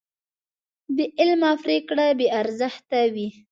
بېعمله پرېکړه بېارزښته وي.